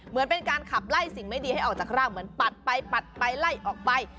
เหมือนเป็นการขับไล่สิ่งไม่ดีให้ออกจากร่างเหมือนปัดไปปัดไปไล่ออกไป